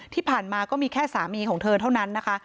ที่ผ่านมาก็มีแค่สามีของเธอเท่านั้นนะคะ